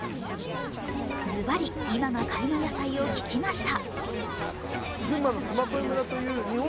ズバリ、今が買いの野菜を聞きました。